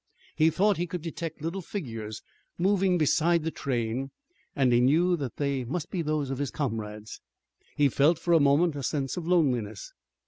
He thought he could detect little figures moving beside the train and he knew that they must be those of his comrades. He felt for a moment a sense of loneliness.